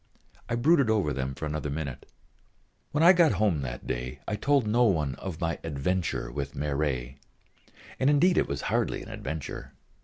I brooded over them for another minute. When I got home that day I told no one of my "adventure" with Marey. And indeed it was hardly an adventure.